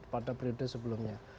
pada periode sebelumnya